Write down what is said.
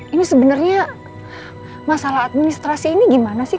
ini sebenarnya masalah administrasi ini gimana sih